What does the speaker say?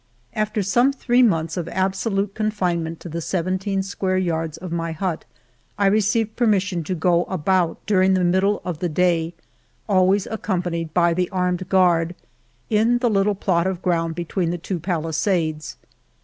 After some three months of absolute confinement to the seventeen square yards of my hut, I received permission to go about during the middle of the day, always accompanied by the armed guard, in the little plot of ground between the two palisades.